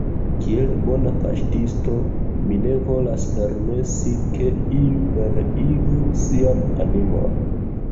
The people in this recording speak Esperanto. Kiel bona paŝtisto, mi ne volas permesi, ke iu pereigu sian animon.